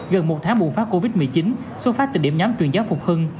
gần một tháng bùng phát covid một mươi chín số phát từ điểm nhóm truyền giáo phục hưng